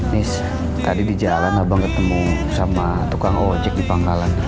terus tadi di jalan abang ketemu sama tukang ojek di pangkalan